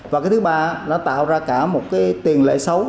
và thứ ba là tạo ra cả một tiền lệ xấu